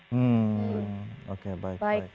hmm oke baik baik